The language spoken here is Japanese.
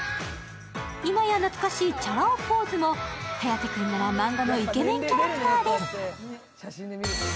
今や懐かしいチャラ男ポーズと颯君なら漫画のイケメンキャラクターです。